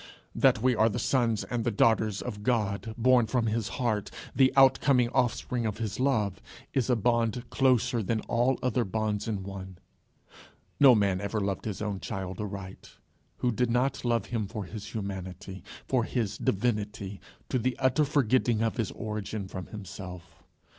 That we are the sons and the daughters of God born from his heart, the outcoming offspring of his love, is a bond closer than all other bonds in one. No man ever loved his own child aright who did not love him for his humanity, for his divinity, to the utter forgetting of his origin from himself.